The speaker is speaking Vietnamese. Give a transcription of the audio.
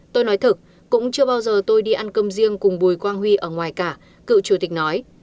tôi nói thực cũng chưa bao giờ tôi đi ăn công riêng cùng bùi quang huy ở ngoài cả cựu chủ tịch nói